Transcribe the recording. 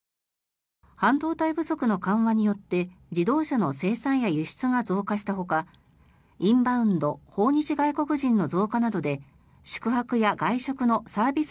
半導体不足の緩和によって自動車の生産や輸出が増加したほかインバウンド訪日外国人の増加などで宿泊や外食のサービス